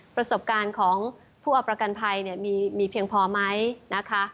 ประสบการณ์ของผู้เอาประกันภัยเนี่ยมีเพียงพอไหมนะคะ